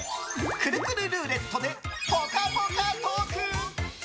くるくるルーレットでぽかぽかトーク。